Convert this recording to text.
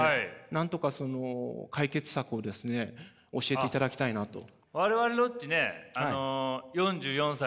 なんとかその解決策をですね教えていただきたいなと。